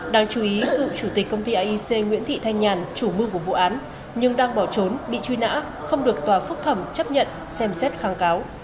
đáng chú ý cựu chủ tịch công ty iec nguyễn thị thanh nhàn chủ mưu của vụ án nhưng đang bỏ trốn bị truy nã không được tòa phúc thẩm chấp nhận xem xét kháng cáo